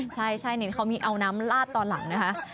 ใช่นี่เขามีเอาน้ำลาดตอนหลังนะคะ